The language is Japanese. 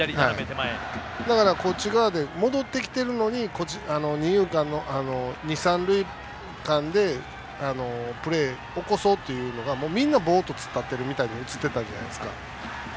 こっち側で、戻ってきてるのに二、三塁間でプレーを起こそうというのがみんなボーっと突っ立ってるみたいに映ってたじゃないですか。